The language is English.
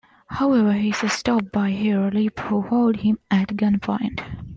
However, he is stopped by Herr Lipp, who holds him at gunpoint.